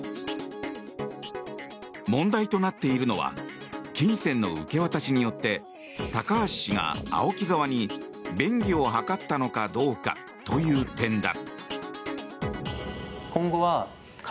問題となっているのは金銭の受け渡しによって高橋氏がＡＯＫＩ側に便宜を図ったのかどうかという点だ。